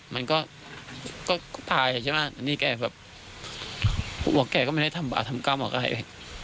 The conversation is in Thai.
มันก็ตายใช่ไหมอันนี้แกแบบบอกแกก็ไม่ได้ทำบาทำกรรมกับใคร